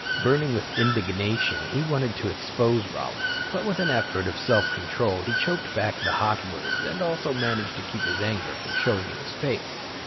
Burning with indignation, he wanted to expose Rollins but with an effort of self control he choked back the hot words and also managed to keep his anger from showing in his face.